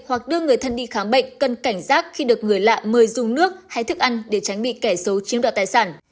hoặc đưa người thân đi khám bệnh cần cảnh giác khi được người lạ mời dùng nước hay thức ăn để tránh bị kẻ xấu chiếm đoạt tài sản